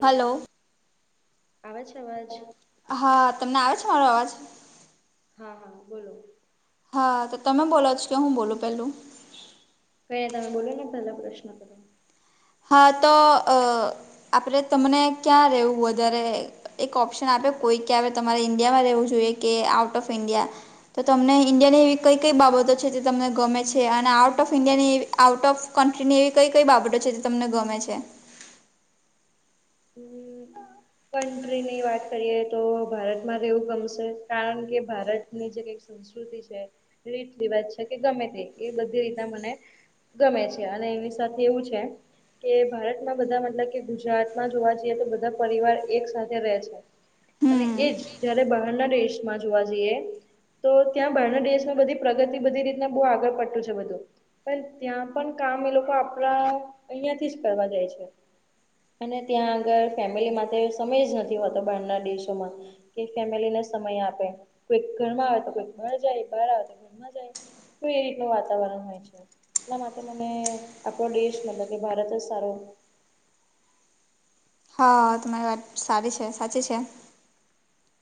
Hello આવે છે અવાજ? હા, તમને આવે છે મારો અવાજ? હા હા બોલો હા તો તમે બોલા છ, કે હું બોલું પેલું કઈ તમે બોલો ને, પેલા પ્રશ્ન કરો હા તો, અ આપણે તમને ક્યાં રહેવું વધારે એક ઓપ્શન આપે કોઈકે હવે તમારે ઇન્ડિયામાં રહેવું જોઈએ કે, આઉટ ઓફ ઇન્ડિયા તો તમને ઇન્ડિયાની એવી કઈ કઈ બાબતો છે જે તમને ગમે છે અને આઉટ ઓફ ઇન્ડિયાની એવી આઉટ ઓફ કન્ટ્રી ની એવી કઈ કઈ બાબતો છે, જે તમને ગમે છે? હમ્મ કન્ટ્રી ની વાત કરીએ તો, ભારતમાં રહેવું ગમશે કારણ કે ભારતની જે કઈ સુવિ સંકૃતિ છે, રીત રિવાજ છે, કે ગમે તે એ બધી રીતના મને ગમે છે અને એની સાથે એવું છે કે ભારતમાં બધા મતલબ કે ગુજરાત મા જોવા જઈએ તો બધા પરિવાર એક સાથે રહે છે. અને હમ એ જ જયારે બહારના દેશમાં જોવા જઈએ તો ત્યાં બહના દેશમાં બધી પ્રગતિ બધી રીતના બહુ આગળ પડતું છે બધું પણ ત્યાં પણ કામ એ લોકો આપણા અહંયા થી જ કરવા જાય છે. અને ત્યાં આગળ ફેમિલી માટે સમય જ નથી હોતો બહારના દેશોમાં. કે ફેમિલી ને સમય આપે, કોઈ ઘરમાં આવે તો કોઈ બાર જાય, બહાર આવે તો કોઇ ઘરમાં જાય તો એ રીતનું વાતાવરણ હોય છે. એટલા માટે મને, આપણો દેશ મતલબ કે ભારત જ સારો હા તમારી વાત સારી છે, સાચી છે.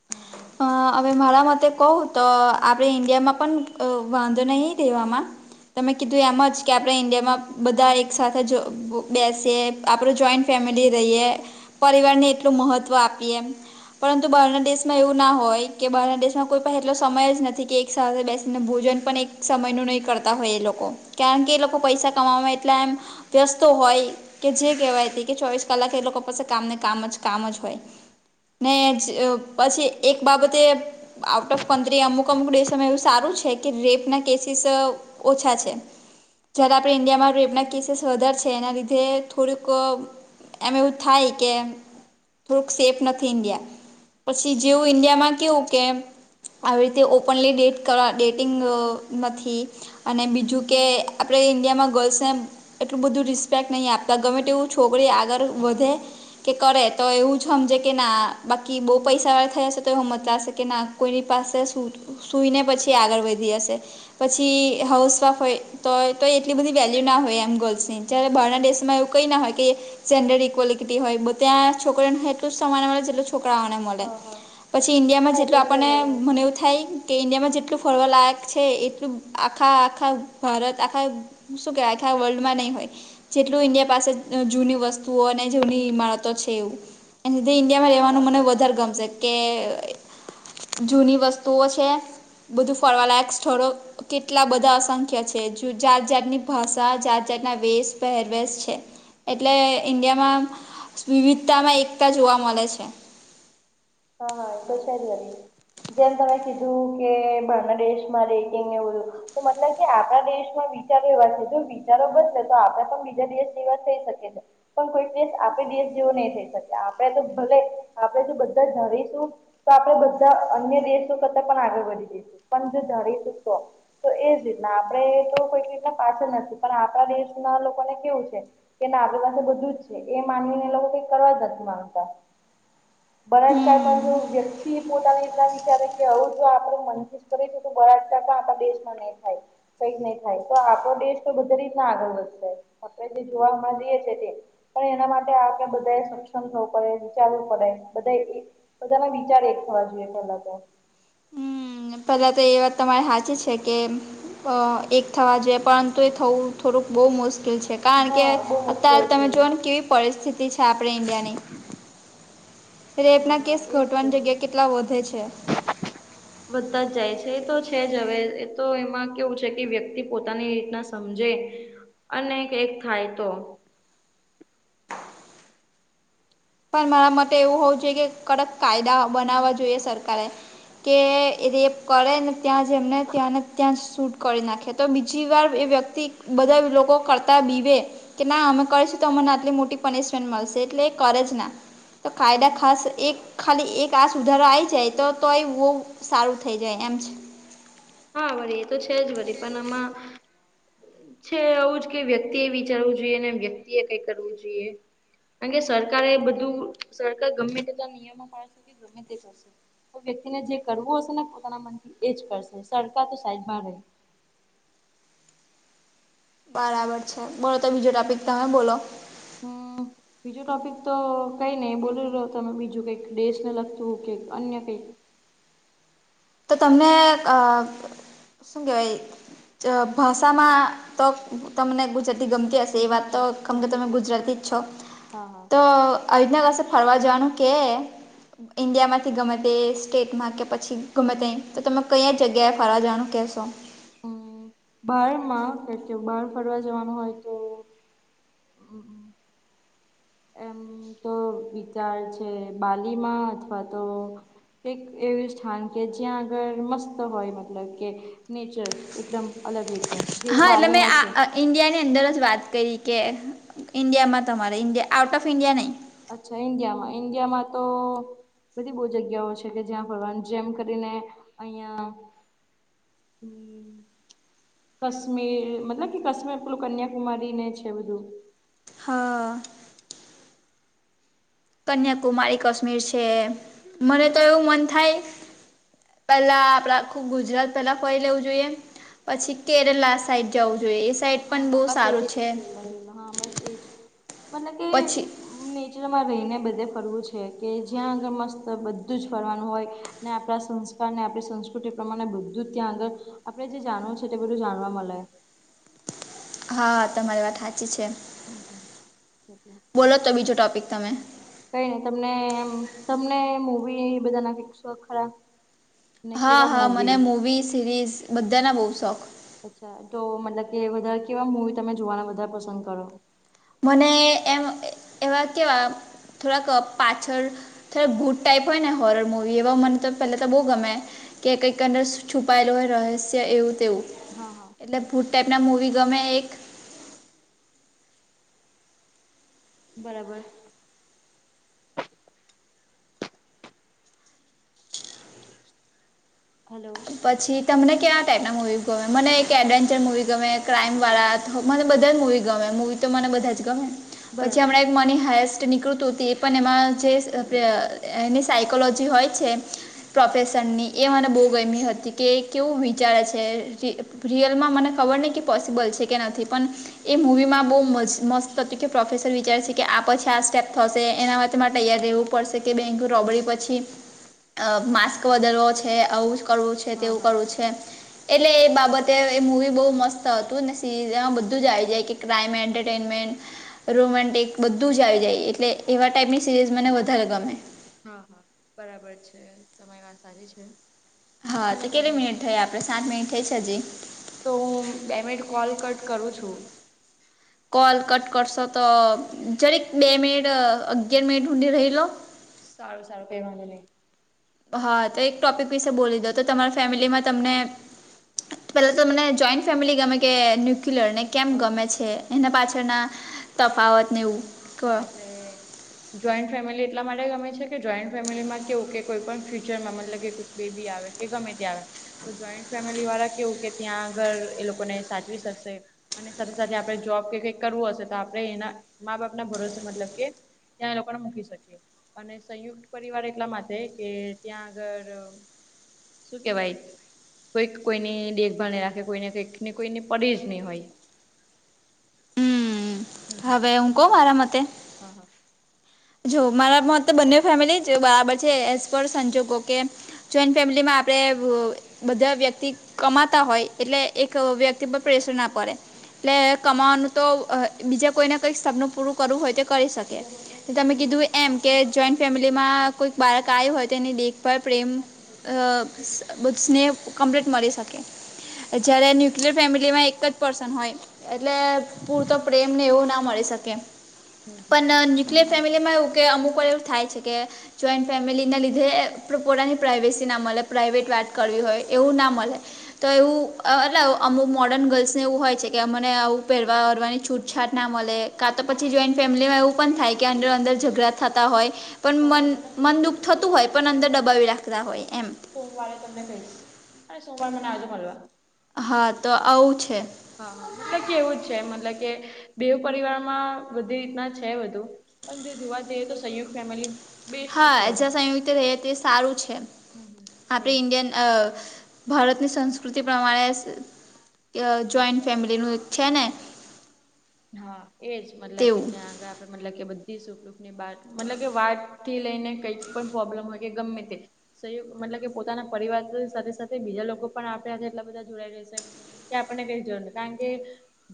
હમ્મ અ હવે મારા મતે કવ તો, આપણે ઈન્ડિયામાં પણ અ વાંધો નહી રહેેવામાં. તમે કીધું એમજ કે આપણે ઇન્ડિયામાં બધા એક સાથે બ બેસે. આપડું જોઈન્ટ ફેમિલી રહીએ, પરિવાર ને એટલું મહત્વ આપીએ એમ પરંતુ બહારના દેશમાં એવું ના હોય, કે બહાર ના દેશમાં કોઈ પણ એટલો સમય જ નથી કે, એક સાથે બેસીને ભોજન પણ એક સમય નુ નહી કરતા હોય એ લોકો, કારણ કે એ લોકો પૈસા કમાવામાં એટલા એમ વ્યસ્ત હોય. કે જે કહેવાય તે, કે ચોવીસ કલાક એ લોકો પાસે કામને કામજ, કામજ હોય ને જ પછી એક બાબતે, આઉટ ઓફ કન્ટ્રી અમુક કોમ્પૂડેશન એવું સારું છે, કે રેપ ના કેસીસ ઓછા છે જયારે આપણે ઈન્ડિયામાં રેપના કેસીસ વધાર છે, એના લીધે થોડીક એમ એવું થાય કે થોડુંક સેફ નથી ઈન્ડિયા પછી જેવું ઇન્ડિયામાં કેવું કે આવી રીતે ઓપનલી ડેટ કરવા ડેટિંગ નથી અને બીજું કે આપણે ઈન્ડિયામાં ગર્લ્સને એટલું બધું રિસ્પેક્ટ નહી આપતા ગમે તે એવું છોકરી આગળ વધે. કે કરે તો એવું જ સમજે કે ના બાકી બહુ પૈસા વાળ થઈ હશે તો એ હું મત લશે કે ના કોઈની પાસે સુઈને પછી આગળ વધી હશે. પછી હાઉસવાફ હોય. તોય તોય તો એટલી બધી વેલ્યુ ના હોય એમ ગર્લ્સની જ્યારે બહારના દેશોમાં એવું કંઈ ના હોય કે જેન્ડર ઇક્વલિટી હોય બધ્યાં છોકરીને એટલું સમ્માન મળે છે જેટલો છોકરાવાને મળ. હા હા. પછી ઈન્ડિયામાં હા એ તો જેટલું છે આપણને જ મને એવું થ થાય કે ઇન્ડિયામાં જેટલું ફરવા લાયક છે એટલું આખા આખા ભારત આખા શું કેવાય આખા વર્લ્ડમાં નહી હોય. જેટલું ઈન્ડિયા પાસે જૂની વસ્તુઓ અને જૂની ઈમારતો છે એવું. એ સધે ઇન્ડિયામાં હા રહેેવાનું મને હા વધારે ગમશે કે. જૂની વસ્તુઓ છે બધું ફરવા લાયક સ્થોડો કેટલા બધા અસંખ્ય છે જાત જાતની ભાષા જાત જાતના વેશ પહેરવેશ છે. એટલે ઈન્ડિયામાં વિવિધતામાં એકતા જોવા મળે છે. હા હા એ તો છે જ વારી. જેમ તમે કીધું કે બાહરના દેશમાં રેટિંગ એવું તો મતલબ કે આપણા દેશમાં બી વિચારો એવા છે જો વિચારો બદશે તો આપે પણ બીજા દેસ જેવા થઈ શકે છે. પણ કોઈક દેસ આપે દેસ જેવું નહી થઈ શકે આપણેે તો ભલે આપે જો બધા ધારીશું. તો આપણેે બધા અન્ય દેશો કરતા પણ આગળ વધી જઈશું પણ જો ધારીશું તો તો એ જ રીતના આપડણે તો કોઈક રીતના પાછળ નથી પણ આપણા દેશના લોકોને કેવું છે. કે ના આપણી પાસે બધું જ છે એ માનીને એ લોકો કઈક કરવા જ નથી માંગતા. બળાત્કાર જ હમ ક વ્યક્તિ પોતાને એટલા વિચારે કે આવું જો આપણે મનથી કરે છે તો બળાત્કાર પણ આપણા દેશમાં નહી થાય. કઈક નહી થાય તો આપણો દેશ તો બધી રીતના આગળ વધશે આપણે જે જોવા મળીએ છ છે તે. પણ એના માટે આપડણે બધાએ સક્ષમ થવું પડે વિચારવું પડે. બધા બધાના વિચાર એક થવા જોઈએ પહેલા તો હમ પહેલા તો એ વાત તમારે સાચી છે કે અ એક થવા જોઈએ પરંતુ એ થવું થોડુંક બહુ મુશ્કેલ છે. કારણ કે હા બહુ મુશ્કેલ અત્યારે તમે છે જોઓ ને કેવી પરિસ્થિતિ છે આપણે ઈન્ડિયાની રેપ હા ના હા કેસ એજ ઘટવાની તો જગ્યા કેટલા વધે છે. વધતા જ જાય છે એ તો છે જ હવે એ તો એમાં કેવું છે કે વ્યક્તિ પોતાની રીતના સમજે અને કેક થાય તો. પણ મારા મતે એવું હોવું જો કે કડક કાયદા બનાવવા જોઈએ સરકારે. કે રેપ કરેને ત્યાં જ એમને ત્યાંને ત્યાં જ સૂટ કરી નાખે તો બીજી વાર એ વ્યક્તિ બધા લોકો કરતા બીવે. કે ના અમે કરીશું તો અમને આટલી મોટી પનિશમેન્ટ મળશે એટલે કરે જ ના તો કાયદા ખાસ એક ખાલી એક આ સુધારો આવીઈ જાય તો તો બહુ સારું થઈ જાય એમ છે. હા વળી એ તો છે જ વળી પણ આમાં. છે આવું જ કે વ્યક્તિ એ વિચારવું જોઈએ ને વ્યક્તિ એ કઈ કરવું જોઈએ. કારણ કે સરક એ બધું સરકાર ગમે તે નિયમો પાળશે કે ગમે તે કરશે. તો વ્યક્તિને જે કરવું હશે ને પોતાના મનથી એ જ કરશે સરકાર તો સાઈડ બાર બરાબર છે, બોલો તો બીજો ટોપિક તમે બોલો [inaudible] બીજું ટોપિક તો કઈ નહી બોલ રહ તમે બીજું કઈક દેશને લગતું કે અન્ય કંઈક તો તમને અ શું કેવાય ચ ભાષામાં તો તમને ગુજરાતી ગમ [unintelligible] એ વાત તો ખમ કે તમે ગુજરાતી જ છો હા હા તો [unintelligible] કસે ફરવા જવાનું કે ઇન્ડિયામાંથી ગમે તે સ્ટેટમાં કે પછી ગમે તઈ તો તમે કયા જગ્યાએ ફરવા જાવાનું કહેશો હમ્મ બહારમાં કે કે બહાર ફરવા જવાનું હોય તો [inaudible] એમ તો વિચાર છે, બાલીમાં અથવા તો એક એવું સ્થાન કે જ્યાં આગળ મસ્ત હોય મતલબ કે નેચર એકદમ અલગ રીતનું જેવું બાલી માં છે. ઇન્ડિયાની અંદર જ વાત કરી કે ઇન્ડિયામાં તમારે ઇન્ડિયા આઉટ ઓફ ઇન્ડિયા નહીં અચ્છા ઇન્ડિયામાં ઈન્ડિયામાં તો બધી બો જગ્યાઓ છે, કે જ્યાં ફરવાનું જેમ કરીને અયાં [inaudible] કશ્મીર મતલબ કે કશ્મીર પેલું કન્યાકુમારી ને છે, બધું હા. કન્યાકુમારી કશ્મીર છે, મને તો એવું મન થાય પેલા આપડા ખુબ ગુજરાત પેલા ફરી લેવું જોઈએ. પછી કેરલા સાઈડ જવું જોઈએ. સાઈડ હ પણ હ બહુ બસ એ જ સારું છે [unintelligible] હ બસ એ જ મતલબ કે પછી નેચરમાં રહીને બધે ફરવું છે, કે જ્યાં આગળ મસ્ત બધું જ ફરવાનું હોય ને આપણા સંસ્કાર ને આપડી સંસ્કૃતિ એ પ્રમાણે બધું જ ત્યાં આગળ આપણે જે જાણવું છે, તે બધું જાણવા મલે હા તમારી વાત હાચી છે, બોલો તો બીજો ટોપિક તમે કઈ ની તમને તમને મુવી બધા [unintelligible] ખરા ને હા કેવા હા મને મૂવી સિરીઝ બધાના બો શોખ અચ્છા તો મતલબ કે વધારે કેવા મુવી તમે જોવાના વધાર પસંદ કરો મને એમ એવા કેવા થોડાક પાછળ [unintelligible] ભૂટ ટાઈપ હોય ને હોરર મુવી એવા મન તો પેલા તો બો ગમે કે કઈકં અદર છુપાયેલું હોય રહસ્ય એવું તેવું હ હ. એટલે ભૂટ ટાઈપના મૂવી ગમે એક બરાબર. હાલો. પછી તમને કેવા ટાઈપના મૂવી ગમે મને એક એડવેન્ચર મૂવી ગમે ક્રાઈમવાળા બધા જ મુવી ગમે મુવી તો મને બધા જ ગમે પછી બરાબર હમણાં મની હાયસ્ટ નીકૃત તે પણ એમાં જે એની સાયકોલોજી હોય છે. પ્રોફેસરની એ મને બો ગયમી હ કે કે કેવું વિચારે છે, રિ રિયલમાં મને ખબર નહીં કે પોસિબલ છે, કે નથી પણ એ મૂવીમાં બો મસ મસ્ત હતું કે પ્રોફેસર વિચારે છે, કે આ પછી આ સ્ટેપ થશે એના માટે મારે ટૈયાર રેવુ પડસે કે બેંક રોબડી પછી અ માસ્ક વધારવો છે, આવું જ કરવું હા તેવું હા કરવું છે. એટલે એ બાબતે એ મૂવી બો મસ્ત હતું ને સિમાં બધું જ આવી જાય કે ક્રાઈમ એન્ટરટેનમેન્ટ રોમેન્ટિક બધું જ આવી જાય એટલે એવા ટાઈપની સિરીઝ મને વધારે ગમે. હા હા બરાબર છે તમારી વાત સાચી છે. હા મને તો પણ કેટલી નહી મિનિટ થઈ આપડે સાત મિનિટ થઈ છે હજી. તો હું બે મિનિટ કોલ કટ કરું છું. કોલ કટ કરશો તો જરીક બે મિનિટ અગિયાર મિનિટ હુંદી રહી લો. સારું સારું કઈ વાંધો નઈ. હા તો એક ટોપિક વિશે બોલી દો તો તમારા ફેમિલીમાં તમને પેલા તો મને જોઈન્ટ ફેમિલી ગમે કે ન્યુક્લિરને કેમ અ ગમે છે એના પાછળના તફાવતને એવું કહો હા એટલે જોઈન્ટ ફેમિલી એટલા માટે ગમે છે કે જોઈન્ટ ફેમિલીમાં કેવું કે કોઈ પણ ફ્યુચરમાં મતલબ કે બેબી આવે કે ગમે તે આવે. તો જોઈન્ટ ફેમિલીવાળા કેવું કે ત્યાં ઘર એ લોકોને સાચવી શકશે. અને સાથે સાથે આપડે જોબ કે કંઈક કરવું હશે તો આપડે એના મા બાપ ના ભરોસે મતલબ કે ત્યાં લોકોને મૂકી શકીએ. અને સંયુક્ત પરિવાર એટલા માટે કે ત્યાં આગળ શું કેવાય. કોઈક કોઈની દેખભાળ ને રાખે કોઈને કંઈક ને કોઈને પડી જ નય હોય. હમ હમ હમ હવે હું કહું મારા મતે હા હા. જો મારા માટે બંને ફેમિલી જ બરાબર છે એઝ પર સંજોગો કે જોઈન્ટ ફેમિલીમાં આપણે બધા વ્યક્તિ કમાતા હોય એટલે એક વ્યક્તિ પર પ્રેશર ના પડે એટલે કમાવાનું તો અ બીજા કોઈને કઈક સપનું પૂરું કરવું હોય તે કરી શકે. બીજા કોઈને પૂછી તમે લેજો કીધું એમ કે જોઈન્ટ ફેમિલીમાં કોઈક બાળક આયુ હોય તેની દેખભાળ પ્રેમ અ [unintelligible] સ્નેહ કમ્પ્લીટ મળી શકે. જયારે ન્યુક્લિયર ફેમિલીમાં એક જ પર્સન હોય. એટલે પૂરતો પ્રેમને એવું ના મળી શકે હમ હમ. પન ન્યુ ન્યુક્લિયર ફેમિલીમાં એવું કે અમુકવાર એવું થાય છે કે જોઈન્ટ ફેમિલીના લીધે એ પ્ર પોતાની પ્રાઇવેસી ના મલે પ્રાઇવેટ વાત કરવી હોય એવું ના મલે. તો એવુ [unintelligible] અમુક મોડર્ન ગર્લ્સ ને એવું હોય છે કે અમને આવું પેરવા હરવાની છૂટ છાટ ના મલે કા તો પછી જોઈન્ટ ફેમિલીમાં એવું પણ થાય કે અંદરો અંદર ઝઘડા થતા હોય પણ તમે મન બધાને મન પૂછી દુઃખ લેજો જો થતું કે હોય ને પણ તો હું અંદર દબાવી તમને રાખતા કવ હોય એમ. સોમવારે તમને કહીશ અ સોમવાર મને આવજો મલવા. હા તો આવું છે. હા હા મતલબ કે એવું જ છે મતલબ કે બેવ પરિવારમાં બધી રીતના છે બધુ. પણ જો જોવા જઈએ તો સંયુકત ફેમિલી બેસ્ટ છે. હા જ્યાં સંયુક્ત રહીયે તે સારું છે હમ હમ એ આપણે ઇન્ડિયન અ ભારતની સંસ્કૃતિ પ્રમાણે કે અ જોઈન્ટ ફેમિલીનું છે ને હા એજ મતલબ કે તેવું ત્યાં આગળ મતલબ કે બધી સુખ દુઃખ ને બાત મતલબ કે વાત થી લયને કઈજ પણ પ્રોબ્લમ હોય કે ગમે તે સંયુકત મતલબ કે પોતાના પરિવારને સાથે સાથે બીજા લોકો પણ આપણા ને એટલા બધા જોડાઈ રહેશે. કે આપણને કઈ જોવા કારણ કે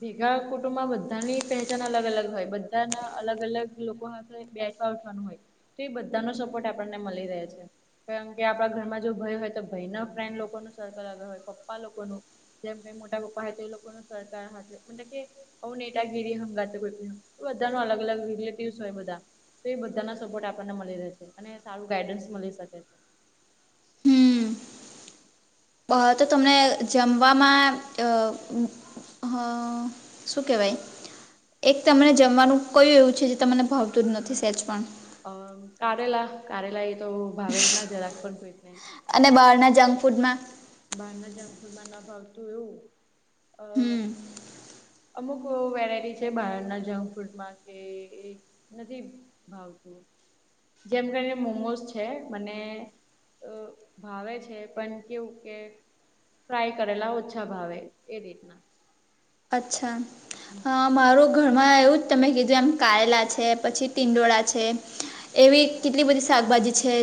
ભેગા કુટુંબમાં તાની પહેચાન અલગ અલગ હોય બધાના અલગ અલગ લોકો હાથે બેઠવા ઉઠવાનું હોય. તે બધાનો સપોર્ટ આપણને મળી રહે છે. કારણ કે આપણા ઘરમાં જો ભઈ હોય તો ભાઈ ના ફ્રેન્ડ લોકોનું સર્કલ આગળ હોય પપ્પા લોકોનું જેમ કઈ મોટા પપ્પા હાતે એ લોકોનું સહકાર હા [unintelligible] હો નેટાગીરી નો હંગાત કોઈ કોઈનો બધા નો અલગ અલગ રિલેટિવસ હોય બધા. તે બધાના સપોર્ટ આપણને મળી રેહ રહેશે અને સારું ગાઈડન્સ મળી શકે છે. અ તો તમને જમવામાં અ હું હ શું કહેવાય. એક તમને જમવાનું કયું એવું છે જે તમને ભાવતું જ નથી સેજ પણ અ કારેલા કારેલા એ તો ભાવે જ ના જરાક પણ કોઈ ને અને બહારના જંક ફૂડમાં. બહારના જંકફુડમાં ના ભાવતું એવું હમ અ અમુક વેરાયટી છે બહારના જંક ફૂડમાં કે એ નથી ભાવતું, જેમ કરીને મોમોસ છે મને અ ભાવે છે પણ કેવું કે ફ્રાય કરેલા ઓછા ભાવે એ રીતના, અચ્છા મારું ઘરમાં એવું જ, તમે કીધું એમ કારેલા છે પછી ટિંડોળા છે. એવી કેટલી બધી શાકભાજી છે.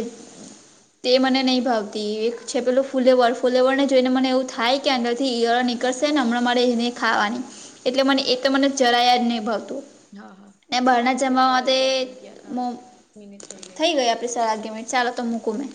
તે મને નહી ભાવતી એક છે પેલું ફૂલેવર ફૂલેવર ને જોઈને મને એવું થાય કે અંદર થી ઈયળ નિક નિકળશે હમણાં મારે એને ખાવાની એટલે મને એ તો મને જરાયા જ નહી ભાવતું. હા હા ને એને બહારના કંઈ નહીં આપણે જમવામાં સવા તે અગિયાર અ મિનિટ થઈ ગઈ છે. સવાગી મિટ ચાલો તો મૂકું મેં,